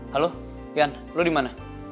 halo yan lo dimana